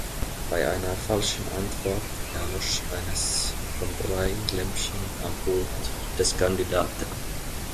Bei einer falschen Antwort erlosch eines von drei Lämpchen am Pult des Kandidaten.